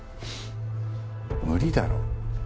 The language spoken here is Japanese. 無理だろ。